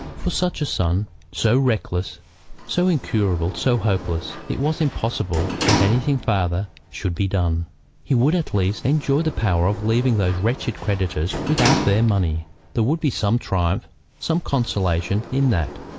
For such a son, so reckless, so incurable, so hopeless, it was impossible that anything farther should be done. He would at least enjoy the power of leaving those wretched creditors without their money. There would be some triumph, some consolation, in that.